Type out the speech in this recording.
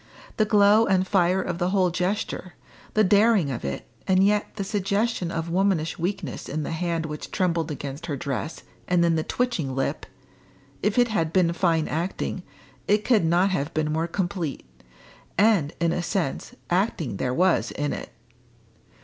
The glow and fire of the whole gesture the daring of it, and yet the suggestion of womanish weakness in the hand which trembled against her dress and in the twitching lip if it had been fine acting, it could not have been more complete. And, in a sense, acting there was in it.